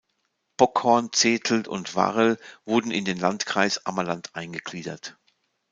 Bockhorn, Zetel und Varel wurden in den Landkreis Ammerland eingegliedert.